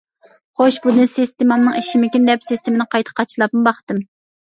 خوش، بۇنى سىستېمامنىڭ ئىشمىكىن دەپ سىستېمىنى قايتا قاچىلاپمۇ باقتىم.